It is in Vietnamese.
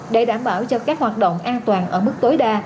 để đảm bảo cho các hoạt động an toàn ở mức tối đa